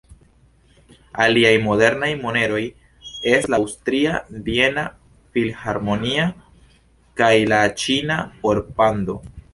Aliaj modernaj moneroj estas la aŭstria Viena Filharmonia kaj la ĉina Or-Pando.